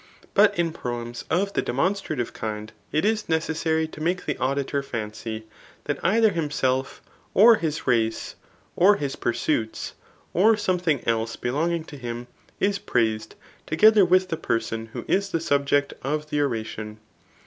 ' But in proems of the demonstrative kind, it is necessary to make the auditor fancy, that either him* self, or his race, or his pursuits, or something else be longing to him, is praised together with the person who is the subject of the oration.